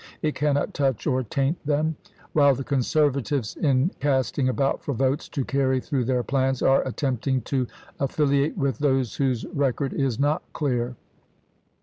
It cannot touch or taint them ; while the conservatives, in casting about for votes to carry through their plans, are attempting to affiliate with those whose record is not clear.